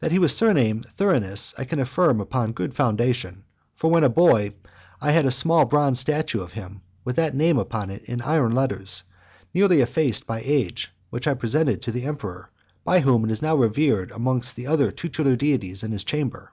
That he was surnamed Thurinus, I can affirm upon good foundation, for when a boy, I had a small bronze statue of him, with that name upon it in iron letters, nearly effaced by age, which I presented to the emperor , by whom it is now revered amongst the other tutelary deities in his chamber.